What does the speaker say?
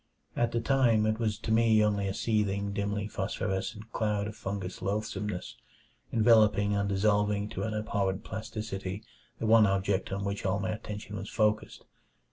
At the time, it was to me only a seething, dimly phosphorescent cloud of fungous loathsomeness, enveloping and dissolving to an abhorrent plasticity the one object on which all my attention was focussed.